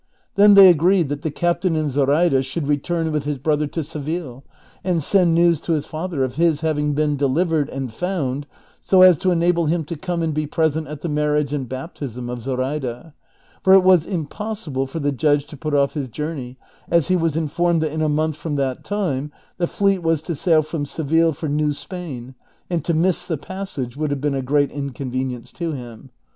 Then they agreed that the captain and Zoraida should return with his brother to Seville, and send news to his father of his having been delivered and found, so as to enable him to come and be present at the marriage and baptism of Zoraida, for it was impossible for the judge to put oft' his journey, as he was informed that in a month from that time the fleet was to sail from Seville for New Spain, and to miss the passage would have been a great inconvenience to him.